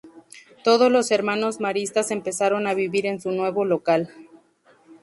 Todos los hermanos Maristas empezaron a vivir en su nuevo local.